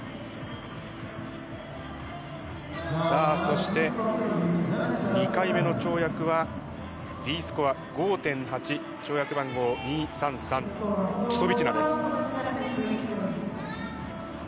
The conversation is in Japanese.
そして２回目の跳躍はＤスコア５．８跳躍番号２３３チュソビチナです。